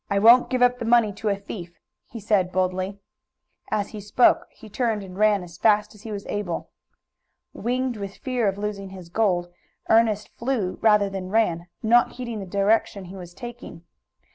"I won't give up the money to a thief!" he said boldly. As he spoke he turned and ran as fast as he was able. Winged with fear of losing his gold, Ernest flew rather than ran, not heeding the direction he was taking.